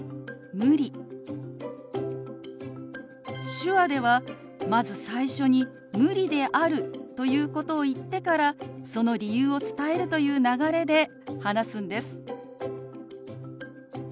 手話ではまず最初に「無理である」ということを言ってからその理由を伝えるという流れで話すんです。